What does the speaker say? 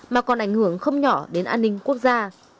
mà còn ảnh hưởng không nhỏ đến an ninh quốc gia